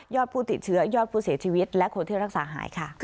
ผู้ติดเชื้อยอดผู้เสียชีวิตและคนที่รักษาหายค่ะ